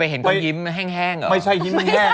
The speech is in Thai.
ไปเห็นคนยิ้มแห้งเหรอไม่ใช่ยิ้มแห้งเลยสิ